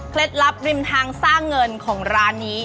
ลับริมทางสร้างเงินของร้านนี้